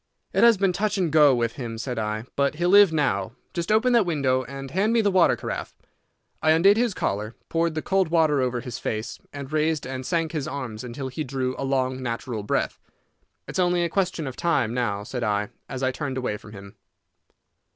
"It has been touch and go with him," said I, "but he'll live now. Just open that window, and hand me the water carafe." I undid his collar, poured the cold water over his face, and raised and sank his arms until he drew a long, natural breath. "It's only a question of time now," said I, as I turned away from him.